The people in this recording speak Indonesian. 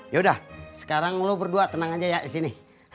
yaudah sekarang lu berdua tenang aja ya disini